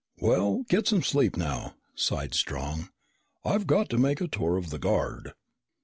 "Well, get some sleep now," sighed Strong. "I've got to make a tour of the guard."